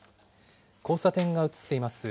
交差点が映っています。